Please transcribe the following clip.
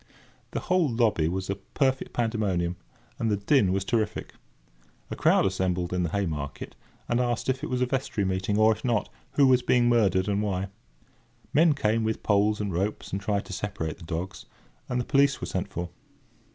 The whole lobby was a perfect pandemonium, and the din was terrific. A crowd assembled outside in the Haymarket, and asked if it was a vestry meeting; or, if not, who was being murdered, and why? Men came with poles and ropes, and tried to separate the dogs, and the police were sent for.